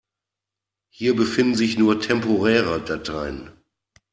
Hier befinden sich nur temporäre Dateien.